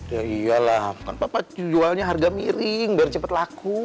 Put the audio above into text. ya iyalah bukan papa jualnya harga miring biar cepet laku